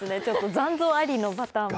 残像ありのパターンも。